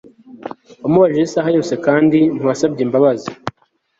wamubabaje isaha yose kandi ntiwasabye imbabazi